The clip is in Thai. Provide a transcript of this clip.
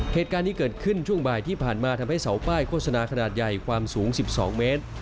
เหตุการณ์นี้เกิดขึ้นช่วงบ่ายที่ผ่านมาทำให้เสาป้ายโฆษณาขนาดใหญ่ความสูง๑๒เมตร